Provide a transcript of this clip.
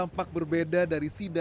kisah kisah dari dapi posora